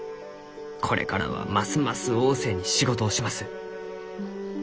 これからはますます旺盛に仕事をします。